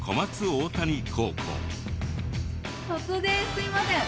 すみません。